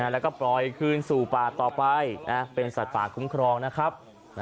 แล้วก็ปล่อยคืนสู่ป่าต่อไปเป็นสัตว์ป่าคุ้มครองนะครับ